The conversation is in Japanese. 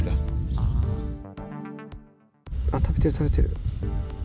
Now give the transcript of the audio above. あっ、食べてる、食べてる。